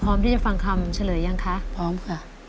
พร้อมที่จะฟังคำเฉลยยังคะพร้อมค่ะ